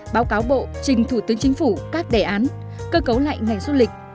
báo cáo bộ trình thủ tướng chính phủ các đề án cơ cấu lại ngành du lịch